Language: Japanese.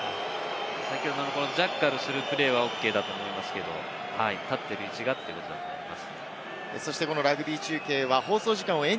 先ほどジャッカルするプレーはＯＫだったと思いますけど、立っている位置がということだと思います。